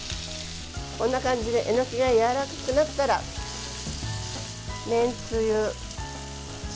こんな感じでえのきがやわらかくなったらめんつゆ。